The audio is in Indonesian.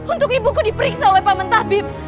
untuk ibuku diperiksa oleh pak mentahbib